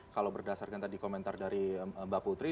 kalau berdasarkan tadi komentar dari mbak putri